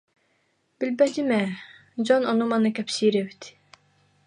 Билбэтим ээ, дьон ону-маны кэпсиир эбит